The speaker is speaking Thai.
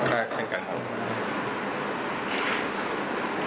ใช่เช่นกันครับ